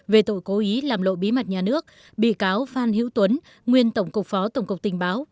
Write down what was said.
về tội cố ý làm lộ bí mật nhà nước bị cáo phan hữu tuấn nguyên tổng cục phó tổng cục tình báo